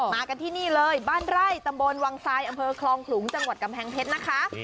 มากันที่นี่เลยบ้านไร่ตำบลวังทรายอำเภอคลองขลุงจังหวัดกำแพงเพชรนะคะ